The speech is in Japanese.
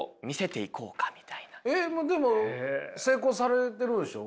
えっでも成功されてるんでしょう？